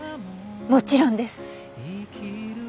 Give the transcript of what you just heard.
もちろんです。